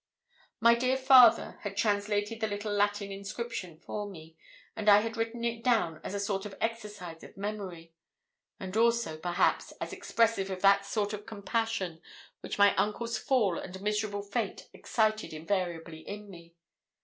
My dear father had translated the little Latin inscription for me, and I had written it down as a sort of exercise of memory; and also, perhaps, as expressive of that sort of compassion which my uncle's fall and miserable fate excited invariably in me.